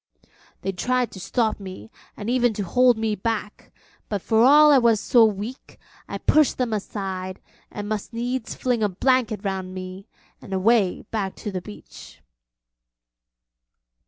They tried to stop me, and even to hold me back, but for all I was so weak, I pushed them aside and must needs fling a blanket round me and away back to the beach.